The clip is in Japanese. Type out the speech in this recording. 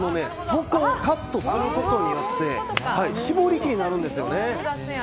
底をカットすることによって絞り器になるんですよね。